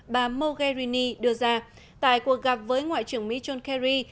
bà mogherini đưa ra tại cuộc gặp với ngoại trưởng mỹ john kerry